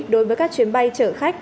đối với các chuyến bay chở khách